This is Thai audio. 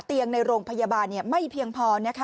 เตียงในโรงพยาบาลไม่เพียงพอ